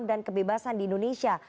dan kebebasan di indonesia